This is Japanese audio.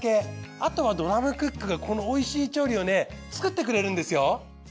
あとはドラムクックがこのおいしい調理をね作ってくれるんですよ。